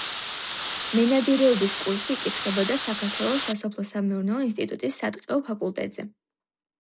მენადირეობის კურსი იკითხებოდა საქართველოს სასოფლო-სამეურნეო ინსტიტუტის სატყეო ფაკულტეტზე.